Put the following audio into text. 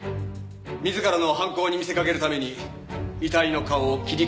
自らの犯行に見せかけるために遺体の顔を切り刻みました。